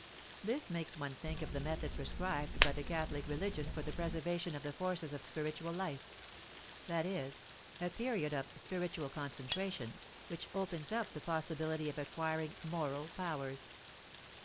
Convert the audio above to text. This makes one think of the method prescribed by the Catholic religion for the preservation of the forces of spiritual life: that is, a period of "spiritual concentration," which opens up the possibility of acquiring "moral powers."